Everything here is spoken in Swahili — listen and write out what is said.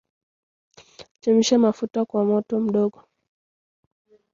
chemsha mafuta kw moto mdogo